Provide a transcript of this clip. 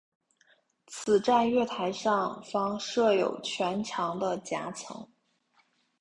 此站月台上方设有全长的夹层。